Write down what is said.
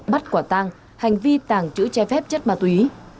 bắt quả tang hành vi tàng trữ che phép chất ma túy